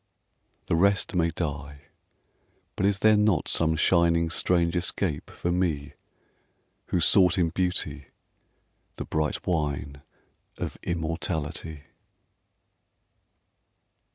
The rest may die but is there not Some shining strange escape for me Who sought in Beauty the bright wine Of immortality?